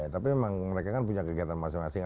tapi memang mereka kan punya kegiatan masing masing